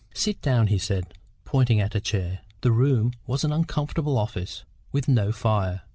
"Sit down," he said, pointing to a chair. The room was an uncomfortable office, with no fire.